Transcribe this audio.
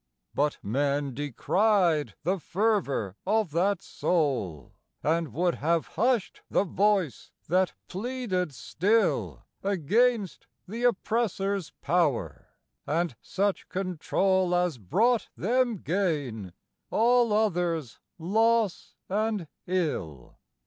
But men decried the fervor of that Soul, And would have hushed the Voice that pleaded still Against the oppressors' power, and such control As brought them gain, all others loss and ill.